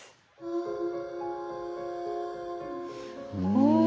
うん！